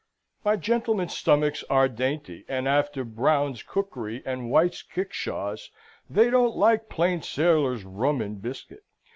My gentlemen's stomachs are dainty; and after Braund's cookery and White's kick shaws, they don't like plain sailor's rum and bisket.